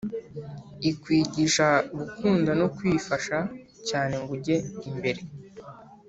ikwigisha gukunda no kwifasha cyane ngo ujye imbere